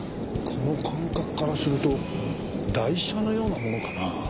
この間隔からすると台車のようなものかな。